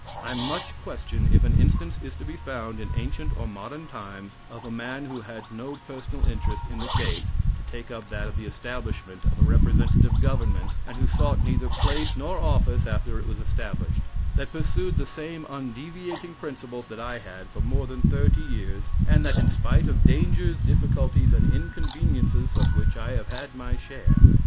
I much question if an instance is to be found in ancient or modern times of a man who had no personal interest in the case to take up that of the establishment of a representative government and who sought neither place nor office after it was established; that pursued the same undeviating principles that I had for more than thirty years, and that in spite of dangers, difficulties, and inconveniences of which I have had my share.